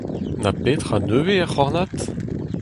Na petra nevez er c'hornad ?